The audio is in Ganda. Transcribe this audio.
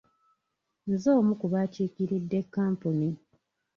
Nze omu ku bakiikiridde kkampuni.